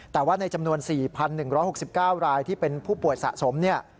แต่ว่าในจำนวน๔๑๖๙รายที่เป็นผู้ป่วยสะสมเนี่ย